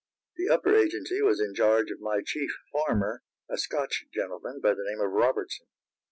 The upper agency was in charge of my chief farmer, a Scotch gentleman by the name of Robertson.